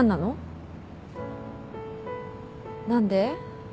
何で？